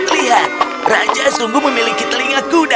lihat raja sungguh memiliki telinga kuda